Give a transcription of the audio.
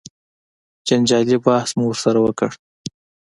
جنجالي بحث مو ورسره وکړ.